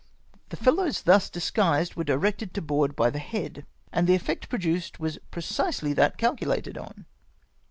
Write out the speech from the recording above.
The fellows thus disguised were directed to board by the head, and the effect produced was precisely that calculated on.